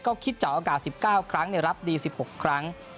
ก็คิดจากโอกาส๑๙ครั้งรับดี๑๖ครั้ง